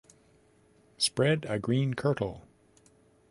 Spread a green kirtle.